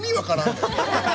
意味分からん！